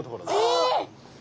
えっ！